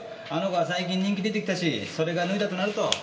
あの子は最近人気出てきたしそれが脱いだとなると。